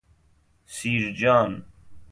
سیرجان